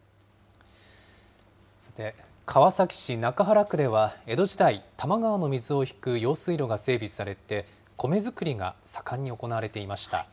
さて、川崎市中原区では江戸時代、多摩川の水を引く用水路が整備されて、米づくりが盛んに行われていました。